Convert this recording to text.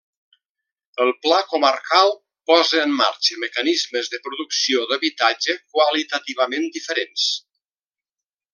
El Pla Comarcal posa en marxa mecanismes de producció d’habitatge qualitativament diferents.